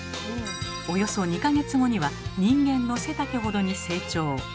およそ２か月後には人間の背丈ほどに成長。